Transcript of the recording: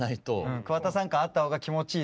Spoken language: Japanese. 桑田さん感あった方が気持ちいいですよね。